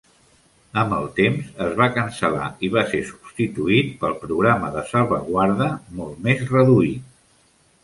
Amb el temps, es va cancel·lar i va ser substituït pel Programa de Salvaguarda, molt més reduït.